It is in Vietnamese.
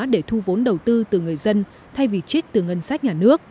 để thu vốn đầu tư từ người dân thay vì trích từ ngân sách nhà nước